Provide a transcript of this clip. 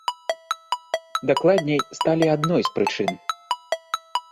Дакладней, сталі адной з прычын.